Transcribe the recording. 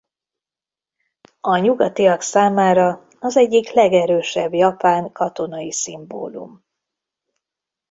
A nyugatiak számára az egyik legerősebb japán katonai szimbólum.